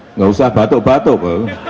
enggak usah batuk batuk